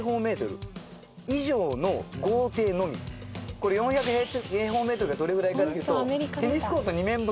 これ４００平方メートルがどれぐらいかっていうとテニスコート２面分。